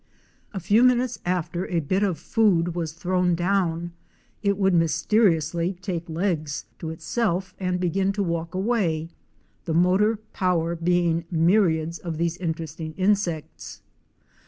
A few minutes after a bit 218 OUR SEARCH FOR A WILDERNESS. of food was thrown down it would mysteriously take legs to itself and begin to walk away, the motor power being myriads of these interesting insects.